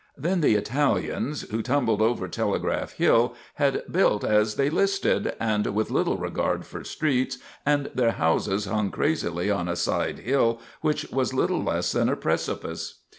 Then the Italians, who tumbled over Telegraph Hill, had built as they listed and with little regard for streets, and their houses hung crazily on a side hill which was little less than a precipice.